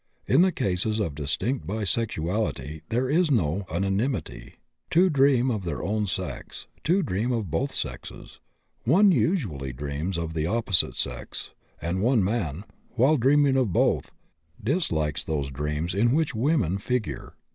In the cases of distinct bisexuality there is no unanimity; 2 dream of their own sex, 2 dream of both sexes, 1 usually dreams of the opposite sex, and 1 man, while dreaming of both, dislikes those dreams in which women figure.